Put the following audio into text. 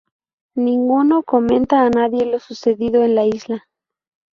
Ninguno comenta a nadie lo sucedido en la isla.